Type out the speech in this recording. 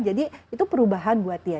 itu perubahan buat dia